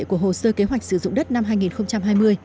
của hồ sơ kế hoạch sử dụng đất năm hai nghìn hai mươi